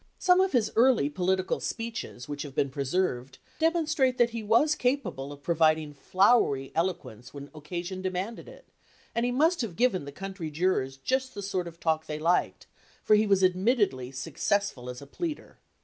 Some of his early political speeches which have been preserved demonstrate that he was capable of providing flowery elo quence when occasion demanded it, and he must 83 LINCOLN THE LAWYER have given the country jurors just the sort of talk they liked, for he was admittedly successful as a pleader.